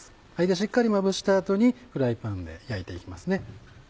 しっかりまぶした後にフライパンで焼いて行きますね。